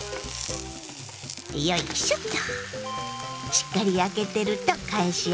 よいしょっと。